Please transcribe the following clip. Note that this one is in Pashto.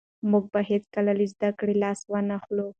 موږ به هېڅکله له زده کړې لاس ونه اخلو.